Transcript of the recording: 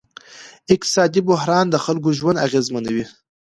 اقتصادي بحران د خلکو ژوند اغېزمنوي.